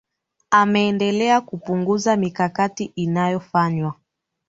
ameendelea kupuunguza mikakati inayofanywa